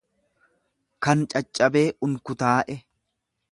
kan caccabee unkutaa'e.